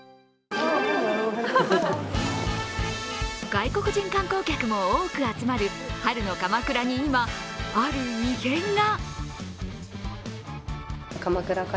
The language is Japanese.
外国人観光客も多く集まる春の鎌倉に今、ある異変が。